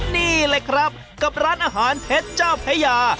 นี่เลยครับกับร้านอาหารเพชรเจ้าพระยา